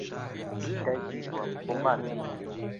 دایکی بووە موسڵمان.